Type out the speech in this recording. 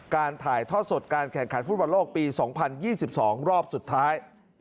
การถ่ายทอดสดการแข่งขันฟุตบอลโลกปี๒๐๒๒รอบสุดท้าย